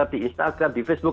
di instagram di facebook